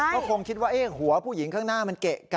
ก็คงคิดว่าหัวผู้หญิงข้างหน้ามันเกะกะ